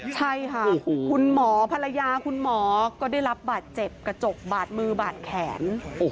ใช่ค่ะคุณหมอภรรยาคุณหมอก็ได้รับบาดเจ็บกระจกบาดมือบาดแขน